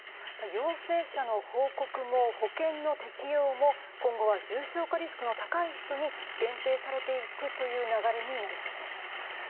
陽性者の報告も保険の適用も今後は重症化リスクの高い人に限定されていくという流れになりそうです。